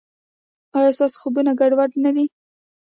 ایا ستاسو خوبونه ګډوډ نه دي؟